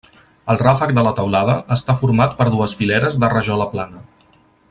El ràfec de la teulada està format per dues fileres de rajola plana.